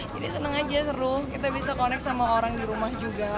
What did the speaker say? jadi seneng aja seru kita bisa konek sama orang di rumah juga